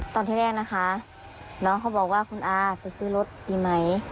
ตอนแรกนะคะน้องเขาบอกว่าคุณอาไปซื้อรถดีไหม